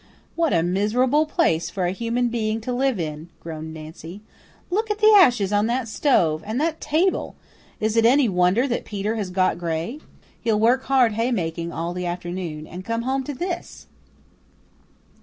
"What a miserable place for a human being to live in!" groaned Nancy. "Look at the ashes on that stove! And that table! Is it any wonder that Peter has got gray? He'll work hard haymaking all the afternoon and then come home to THIS!"